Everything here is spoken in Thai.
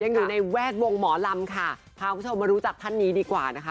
อยู่ในแวดวงหมอลำค่ะพาคุณผู้ชมมารู้จักท่านนี้ดีกว่านะคะ